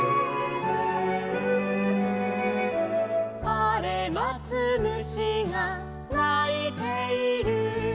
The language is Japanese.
「あれまつ虫がないている」